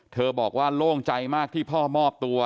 บอกว่าโล่งใจมากที่พ่อมอบตัว